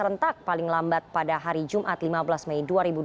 serentak paling lambat pada hari jumat lima belas mei dua ribu dua puluh